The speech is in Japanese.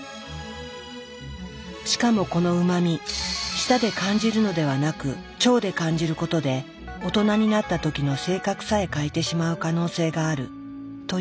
しかもこのうま味舌で感じるのではなく腸で感じることで大人になった時の性格さえ変えてしまう可能性があるというのだ。